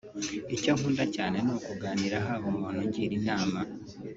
Icyo nkunda cyane ni ukuganira haba umuntu ungira inama